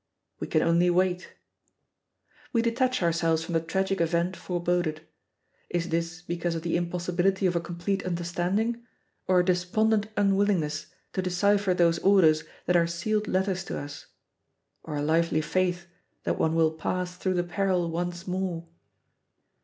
"We can only wait." We detach ourselves from the tragic event foreboded. Is this because of the impossibility of a complete understanding, or a despondent unwillingness to decipher those orders that are sealed letters to us, or a lively faith that one will pass through the peril once more?